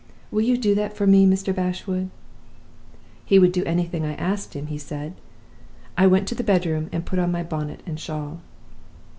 Will you do that for me, Mr. Bashwood?' "He would do anything I asked him, he said. I went into the bedroom and put on my bonnet and shawl.